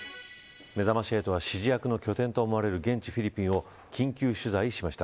めざまし８は指示役の拠点と思われる現地フィリピンを緊急取材しました。